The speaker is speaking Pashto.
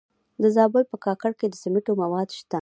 د زابل په کاکړ کې د سمنټو مواد شته.